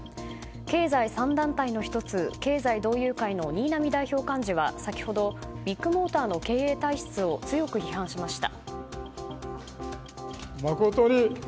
経済３団体の１つ、経済同友会は先ほどビッグモーターの経営体質を強く批判しました。